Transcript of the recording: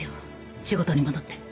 仕事に戻って。